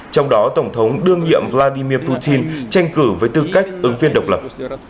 trong đó tổng thống đương nhiệm vladimir putin tranh cử với tư cách ứng viên độc lập